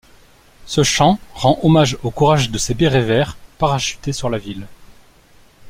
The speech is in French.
Ce chant rend hommage au courage de ces bérets verts parachutés sur la ville.